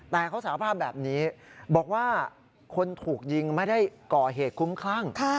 แต่เขาสาภาพแบบนี้บอกว่าคนถูกยิงไม่ได้ก่อเหตุคุ้มคลั่ง